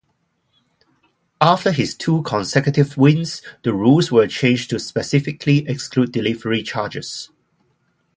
After his two consecutive wins, the rules were changed to specifically exclude delivery charges.